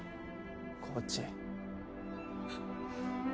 コーチ。